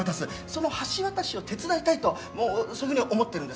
その橋渡しを手伝いたいとそういうふうに思ってるんです。